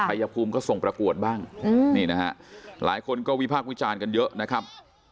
ชายภูมิก็ส่งประกวดบ้างนี่นะฮะหลายคนก็วิพากษ์วิจารณ์กันเยอะนะครับ